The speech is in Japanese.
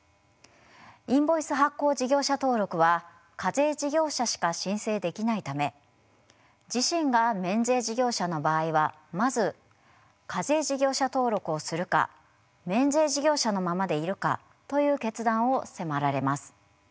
インボイス発行事業者登録は課税事業者しか申請できないため自身が免税事業者の場合はまず課税事業者登録をするか免税事業者のままでいるかという決断を迫られます。